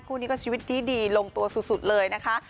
คู่นี้ก็ชีวิตดีลงตัวสุดเลยนะคะ